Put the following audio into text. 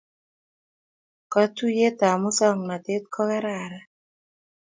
Katuiyet ab musongnotet ko kararan